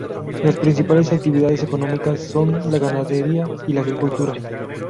Las principales actividades económicas son la ganadería y agricultura.